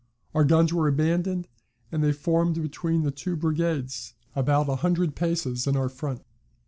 Our guns were abandoned, and they formed between the two brigades, about a hundred paces in our front.